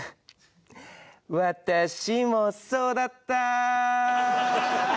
私もそうだった！